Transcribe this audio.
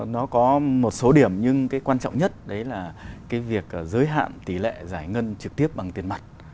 nó có một số điểm nhưng cái quan trọng nhất đấy là cái việc giới hạn tỷ lệ giải ngân trực tiếp bằng tiền mặt